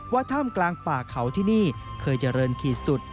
ถ้ำกลางป่าเขาที่นี่เคยเจริญขีดสุด